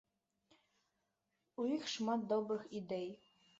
У іх шмат добрых ідэй.